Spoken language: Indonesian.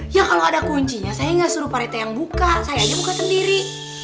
ya kalau ada kuncinya saya nggak suruh parite yang buka saya aja buka sendiri